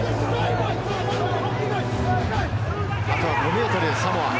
あと５ｍサモア。